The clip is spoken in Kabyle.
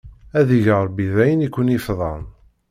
Ad ig Ṛebbi d ayen i ken-ifdan!